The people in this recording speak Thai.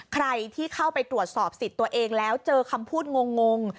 ใครที่เข้าไปตรวจสอบสิทธิ์ตัวเองแล้วเจอคำพูดงง